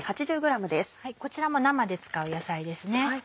こちらも生で使う野菜ですね。